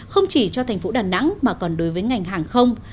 không chỉ cho thành phố đà nẵng mà còn đối với ngành hàng không